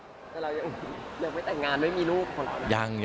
แต่เรายังไม่แต่งงานไม่มีลูกคนเรายัง